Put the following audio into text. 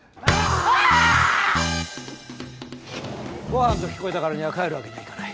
ご飯と聞こえたからには帰るわけにはいかない。